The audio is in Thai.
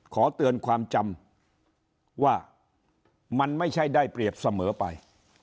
ขอเตือนความจำว่ามันไม่ใช่ได้เปรียบเสมอไป